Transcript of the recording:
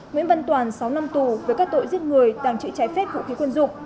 nguyễn văn toàn sáu năm tù với các tội giết người tàng trữ sử dụng trái phép vũ khí quân dụng